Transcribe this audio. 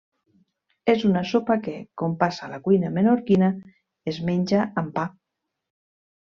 És una sopa que, com passa a la cuina menorquina es menja amb pa.